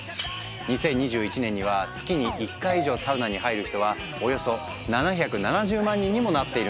２０２１年には月に１回以上サウナに入る人はおよそ７７０万人にもなっているんだとか。